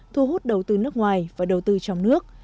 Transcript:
thu hút đầu tư nước ngoài và đầu tư trong nước